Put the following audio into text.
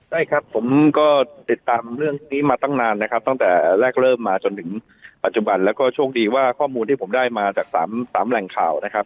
ได้ครับผมก็ติดตามเรื่องนี้มาตั้งนานนะครับตั้งแต่แรกเริ่มมาจนถึงปัจจุบันแล้วก็โชคดีว่าข้อมูลที่ผมได้มาจาก๓แหล่งข่าวนะครับ